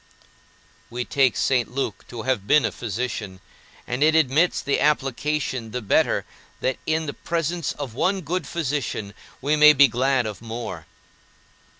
We take St. Luke to have been a physician, and it admits the application the better that in the presence of one good physician we may be glad of more.